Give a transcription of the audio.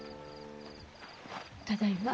ただいま。